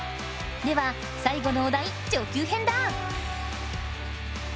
では最後のお題上級編だ！